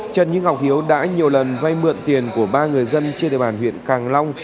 trần như ngọc hiếu đã nhiều lần vay mượn tiền của ba người dân trên địa bàn huyện càng long